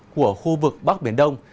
của khu vực bắc biển đông